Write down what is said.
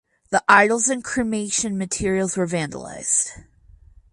The idols and cremation materials were vandalized.